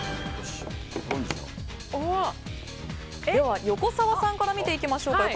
では、横澤さんから見ていきましょう。